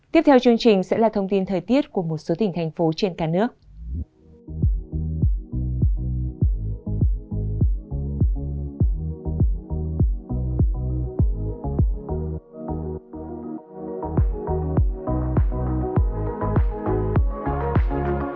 tiếp theo chương trình sẽ là thông tin thời tiết của một số các nước